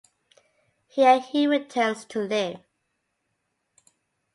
Here he returns to live.